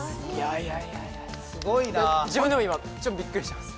・すごいな自分でも今ちょっとびっくりしてます